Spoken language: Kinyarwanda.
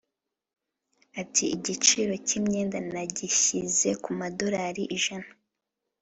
Ati “Igiciro cy’imyenda nagishyize ku madolari ijana